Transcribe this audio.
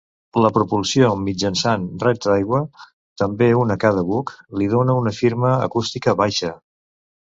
La propulsió mitjançant raig d'aigua, també un a cada buc, li dona una firma acústica baixa.